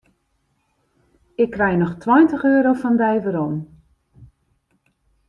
Ik krij noch tweintich euro fan dy werom.